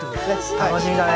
楽しみだね。